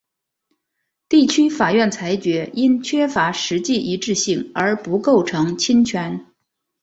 地区法院裁决因缺乏实际一致性而不构成侵权。